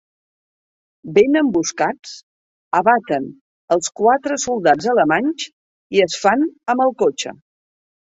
Ben emboscats, abaten els quatre soldats alemanys i es fan amb el cotxe.